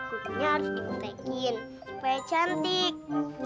kukunya harus dikotekin supaya cantik